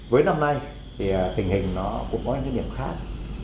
với năm nay thì tình hình nó cũng có những nhiệm khác